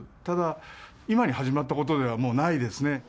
ただ、今に始まったことではもうないですね。